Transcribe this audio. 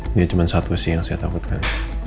ini cuma satu sih yang saya takutkan